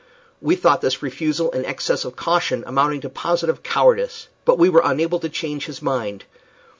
We thought this refusal an excess of caution amounting to positive cowardice, but were unable to change his mind.